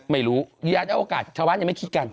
ไม่รู้อย่าได้โอกาสชาวบ้านยังไม่คิดกัน